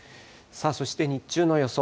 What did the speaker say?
そして日中の予想